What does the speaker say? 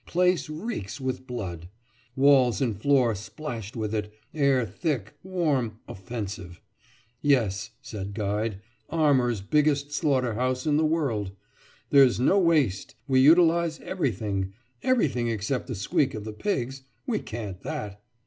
Place reeks with blood; walls and floor splashed with it; air thick, warm, offensive. 'Yes,' said guide, 'Armour's biggest slaughter house in the world. There's no waste; we utilise everything—everything except the squeak of the pigs. We can't can that.'